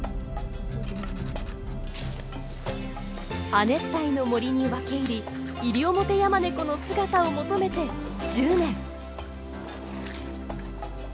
亜熱帯の森に分け入りイリオモテヤマネコの姿を求めて１０年。